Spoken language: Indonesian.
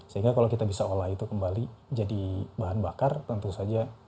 sehingga kalau kita bisa olah itu kembali jadi bahan bakar tentu saja